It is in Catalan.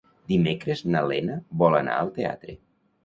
Dimecres na Lena vol anar al teatre.